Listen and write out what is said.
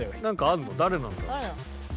誰なんだろう。